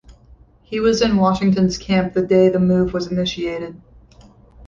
He was in Washington's camp the day the move was initiated.